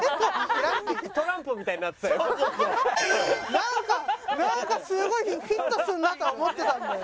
なんかなんかすごいフィットするなとは思ってたんだよ。